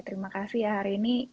terima kasih ya hari ini